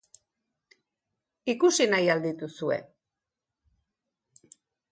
Ikusi nahi al dituzue?